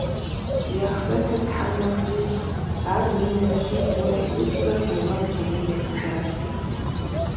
И ахърэтыр Тхьэм нэху ищӏ, ар минрэ щибгъурэ ищӏрэ тӏу гъэм дунейм ехыжащ.